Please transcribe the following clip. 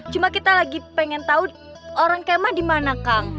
cuma kita lagi pengen tahu orang kemah dimana kang